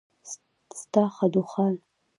ستا خدوخال